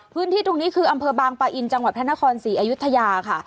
พื้นที่ตรงนี้คืออำเภอบางปะอินจังหวัดพระนครศรีอยุธยาค่ะ